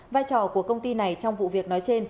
vai trò của công ty này trong vụ việc nói trên